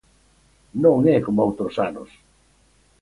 Non é coma outros anos...